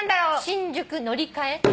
新宿乗り換え？